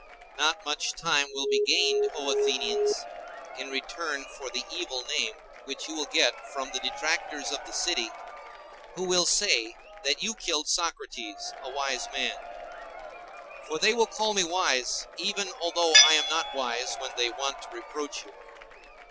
NOT much time will be gained, O Athenians, in return for the evil name which you will get from the detractors of the city, who will say that you killed Socrates, a wise man; for they will call me wise even although I am not wise when they want to reproach you.